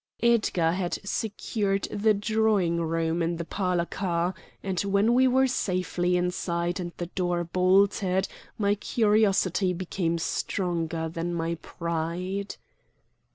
Edgar had secured the drawing room in the parlor car, and when we were safely inside and the door bolted my curiosity became stronger than my pride.